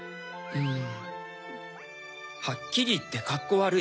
うん。